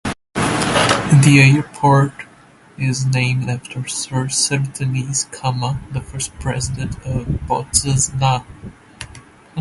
The airport is named after Sir Seretse Khama, the first president of Botswana.